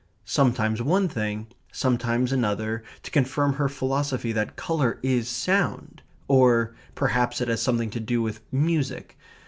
Sometimes one thing, sometimes another, to confirm her philosophy that colour is sound or, perhaps, it has something to do with music.